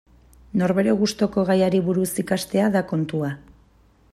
Norbere gustuko gaiari buruz ikastea da kontua.